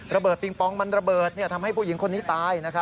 ปิงปองมันระเบิดทำให้ผู้หญิงคนนี้ตาย